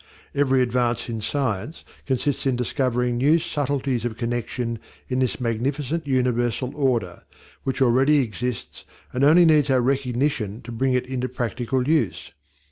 Every advance in science consists in discovering new subtleties of connection in this magnificent universal order, which already exists and only needs our recognition to bring it into practical use.